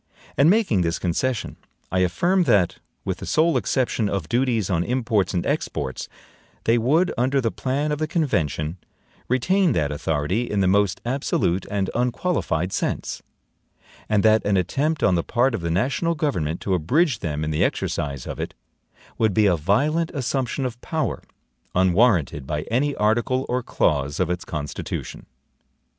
And making this concession, I affirm that (with the sole exception of duties on imports and exports) they would, under the plan of the convention, retain that authority in the most absolute and unqualified sense; and that an attempt on the part of the national government to abridge them in the exercise of it, would be a violent assumption of power, unwarranted by any article or clause of its Constitution.